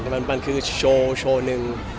มันคือโชว์โชว์หนึ่ง